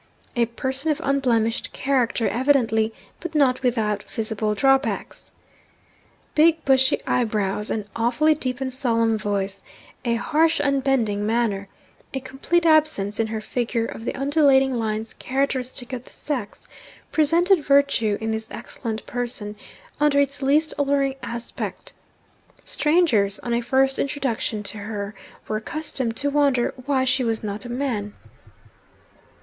A person of unblemished character, evidently but not without visible drawbacks. Big bushy eyebrows, an awfully deep and solemn voice, a harsh unbending manner, a complete absence in her figure of the undulating lines characteristic of the sex, presented Virtue in this excellent person under its least alluring aspect. Strangers, on a first introduction to her, were accustomed to wonder why she was not a man.